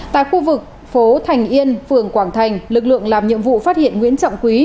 tại khu vực phố thành yên phường quảng thành lực lượng làm nhiệm vụ phát hiện nguyễn trọng quý